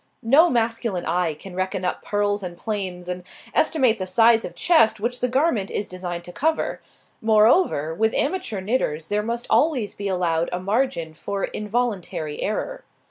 No masculine eye can reckon up purls and plains and estimate the size of chest which the garment is destined to cover. Moreover, with amateur knitters there must always be allowed a margin for involuntary error.